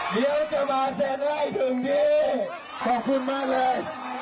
เดี๋ยวจะมาเสนให้ถึงดีขอบคุณมากเลย